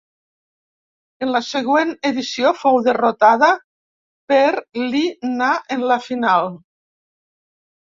En la següent edició fou derrotada per Li Na en la final.